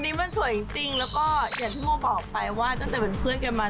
แต่แกต้องทำให้แน่หน่อยถ้ามีขาซุ่มแบบนี้มันจะไม่บาน